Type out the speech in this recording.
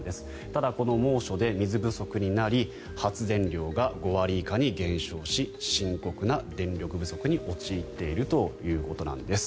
ただ、この猛暑で水不足になり発電量が５割以下に減少し深刻な電力不足に陥っているということなんです。